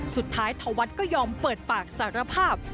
สุดท้ายธวรรษก็ยอมเปิดปากสารภาพ